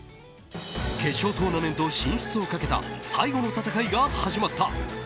決勝トーナメント進出をかけた最後の戦いが始まった。